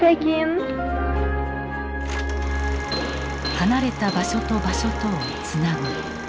離れた場所と場所とをつなぐ。